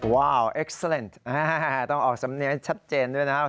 ว้าวอัศวินธรรมดาต้องออกสำเนียงให้ชัดเจนด้วยนะครับ